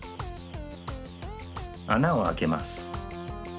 あなをあけます。